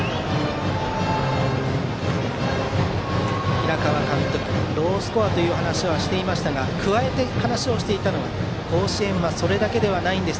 平川監督、ロースコアという話はしていましたが加えて話をしていたのは甲子園はそれだけではないんです。